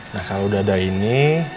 nah kalau udah ada ini